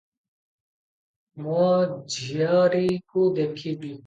ମୋ ଝିଅରୀକୁ ଦେଖିବି ।